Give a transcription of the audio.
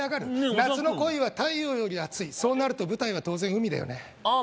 夏の恋は太陽より熱いそうなると舞台は当然海だよねああ